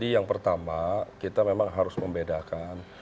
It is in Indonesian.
yang pertama kita memang harus membedakan